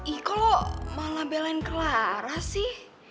ih kalau malah belain kelara sih